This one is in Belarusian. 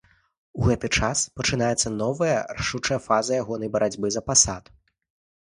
У гэты час пачынаецца новая рашучая фаза ягонай барацьбы за пасад.